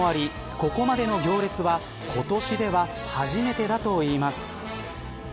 ここまでの行列は今年では初めてだといいます。